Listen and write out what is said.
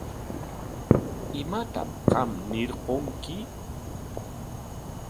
¿Imatam qam ñirqunki?